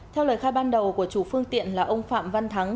theo lời khai ban đầu của chủ phương tiện là ông phạm văn thắng